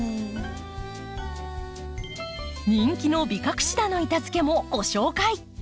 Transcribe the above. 人気のビカクシダの板づけもご紹介。